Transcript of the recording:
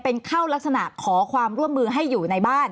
เป็นเข้ารักษณะขอความร่วมมือให้อยู่ในบ้าน